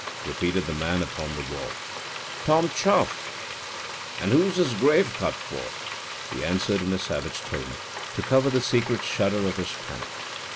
repeated the man upon the wall. "Tom Chuff; and who's this grave cut for?" He answered in a savage tone, to cover the secret shudder of his panic.